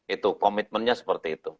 itu komitmennya seperti itu